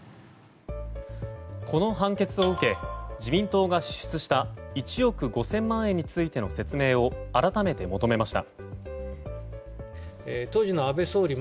この判決を受け自民党が支出した１億５０００万円についての説明を改めて求めました。